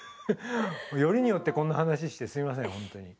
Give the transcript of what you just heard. よりによってこんな話してすいませんほんとに。